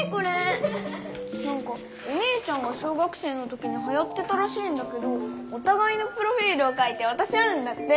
なんかお姉ちゃんが小学生の時にはやってたらしいんだけどおたがいのプロフィールを書いてわたし合うんだって。